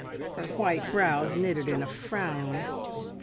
Her white brows knitted in a frown.